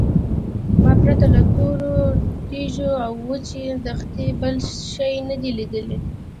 ما پرته له تورو تیږو او وچې دښتې بل شی نه دی لیدلی.